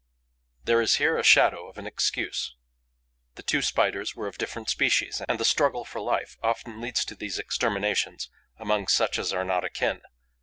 There is here a shadow of an excuse. The two Spiders were of different species; and the struggle for life often leads to these exterminations among such as are not akin.